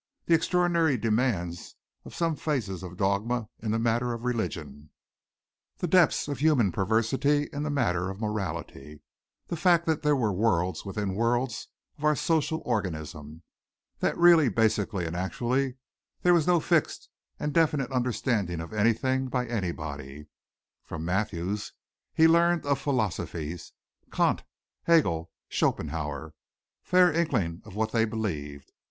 The extraordinary demands of some phases of dogma in the matter of religion; the depths of human perversity in the matter of morality; the fact that there were worlds within worlds of our social organism; that really basically and actually there was no fixed and definite understanding of anything by anybody. From Mathews he learned of philosophies Kant, Hegel, Schopenhauer faint inklings of what they believed.